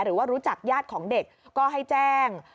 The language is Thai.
หรือว่ารู้จักญาติของเด็กก็ให้แจ้ง